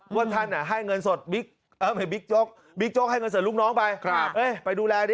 ว่าท่านให้เงินสดบิ๊กโจ๊กบิ๊กโจ๊กให้เงินสดลูกน้องไปไปดูแลดิ